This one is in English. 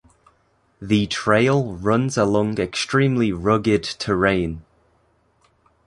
The trail runs along extremely rugged terrain.